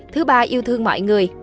thứ ba yêu thương mọi người